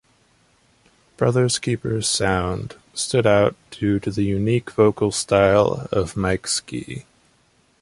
Brother's Keeper's sound stood out due to the unique vocal style of Mike Ski.